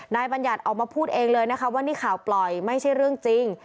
บัญญัติออกมาพูดเองเลยนะคะว่านี่ข่าวปล่อยไม่ใช่เรื่องจริง